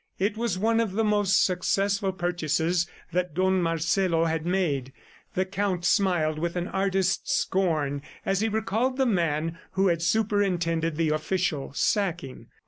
It was one of the most successful purchases that Don Marcelo had made. The Count smiled with an artist's scorn as he recalled the man who had superintended the official sacking.